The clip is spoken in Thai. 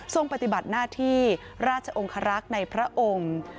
ปฏิบัติหน้าที่ราชองคารักษ์ในพระองค์